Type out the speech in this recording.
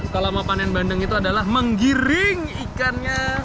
kelama panen bandeng itu adalah menggiring ikannya